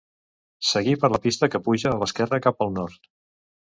Seguir per la pista que puja a l'esquerra, cap el nord.